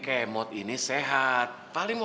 prasa udah selesai equip dari mama